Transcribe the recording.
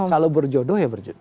kalau berjodoh ya berjodoh